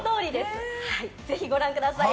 ぜひ、ご覧ください。